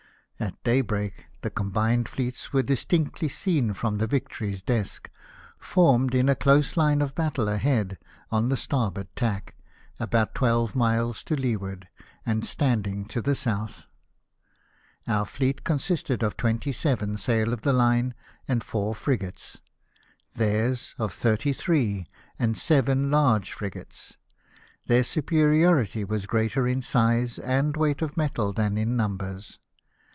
At daybreak the combined fleets were distinctly seen from the Vic tory s deck, formed in a close line of battle ahead on the starboard tack, about twelve miles to leeward, and standing to the south. Our fleet consisted of twenty seven sail of the line and four frigates ; theirs of thirty three, and seven large frigates. Their superiority was greater in size, and weight of metal, than in numbers.